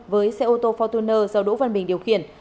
với xe ô tô fortuner do đỗ văn bình điều khiển